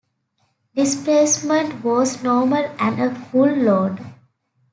Displacement was normal and at full load.